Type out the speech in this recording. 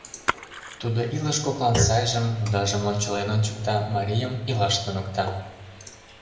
Тудо илыш коклан сайжым, удажым лончылен ончыкта, марийым илаш туныкта.